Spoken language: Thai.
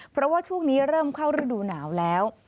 เพราะว่าช่วงนี้เริ่มเข้าฤดูหนาวแล้ว